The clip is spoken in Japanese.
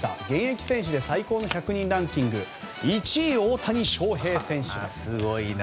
現役選手で最高の１００人ランキング１位が大谷翔平選手です。